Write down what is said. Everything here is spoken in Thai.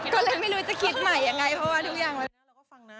ก็เลยไม่รู้จะคิดใหม่ยังไง